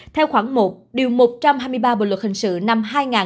theo khoảng một điều một trăm hai mươi ba bộ luật hình sự năm hai nghìn một mươi năm